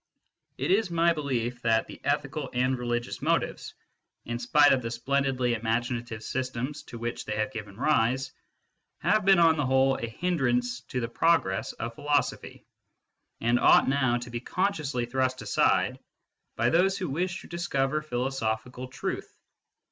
~~It is my belief That the ethical and religious motives 97 98 MYSTICISM AND LOGIC in spite of the splendidly imaginative systems to which they have given rise, have begn_on the whole a hindrance to the progress of philosophy, and ought now to be consciously thrust aside by those who wish to discover philosophical truth.